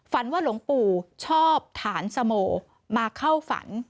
ว่าหลวงปู่ชอบฐานสโมมาเข้าฝัน